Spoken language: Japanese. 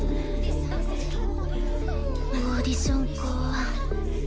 オーディションか。